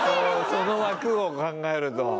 その枠を考えると。